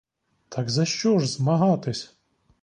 Так за що ж змагатись?